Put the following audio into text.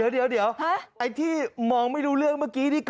เดี๋ยวไอ้ที่มองไม่รู้เรื่องเมื่อกี้